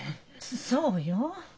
そうよ。